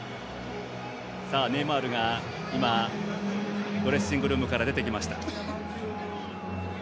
ネイマールが今、ドレッシングルームから出てきました。